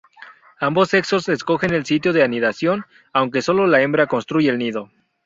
Ambos sexos escogen el sitio de anidación, aunque solo la hembra construye el nido.